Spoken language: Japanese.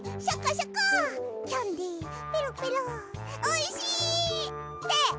おいしい！って！